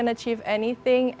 anda bisa mencapainya